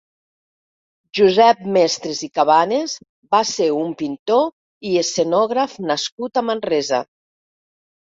Josep Mestres i Cabanes va ser un pintor i escenògraf nascut a Manresa.